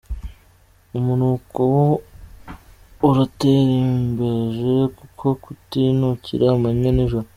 Umunuko wo uraturembeje kuko kitunukira amanywa n’ijoro”.